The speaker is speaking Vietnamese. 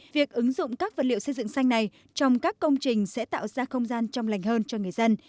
việc ứng dụng các vật liệu xây dựng xanh này trong các công trình sẽ tạo ra không gian trong lành hơn cho người dân